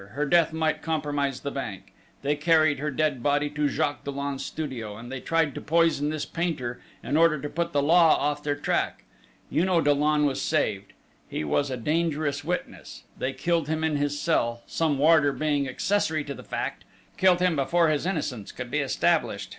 Her death might compromise the Bank: they carried her dead body to Jacques Dollon's studio, and they tried to poison this painter, in order to put the law off their track. You know Dollon was saved! He was a dangerous witness. They killed him in his cell, some warder being accessory to the fact killed him before his innocence could be established!